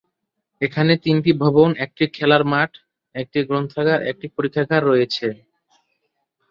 এখানে তিনটি ভবন, একটি খেলার মাঠ, একটি গ্রন্থাগার, একটি পরীক্ষাগার রয়েছে।